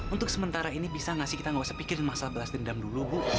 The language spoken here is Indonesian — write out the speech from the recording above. untuk sementara ini bisa nggak sih kita nggak usah pikir masalah belas dendam dulu bu